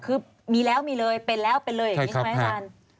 คือมีแล้วมีเลยเป็นแล้วเป็นเลยอย่างนี้ใช่ไหมอาจารย์